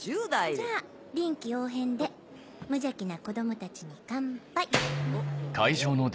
じゃあ臨機応変で無邪気な子供たちに乾杯。